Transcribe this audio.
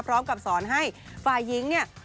พร้อมกับสอนให้ฝ่ายหญิงเนี่ย